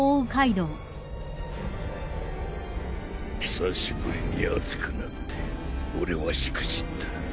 久しぶりに熱くなって俺はしくじった。